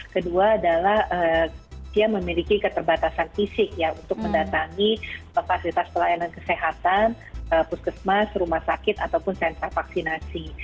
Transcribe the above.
kedua adalah dia memiliki keterbatasan fisik ya untuk mendatangi fasilitas pelayanan kesehatan puskesmas rumah sakit ataupun sentra vaksinasi